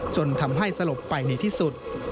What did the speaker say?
จนทำให้สลบไปในที่สุด